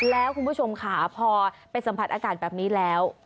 แล้วคุณผู้ชมค่ะพอไปสัมผัสอากาศแบบนี้แล้ว